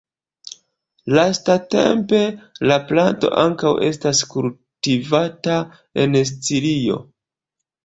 Lastatempe la planto ankaŭ estas kultivata en Sicilio.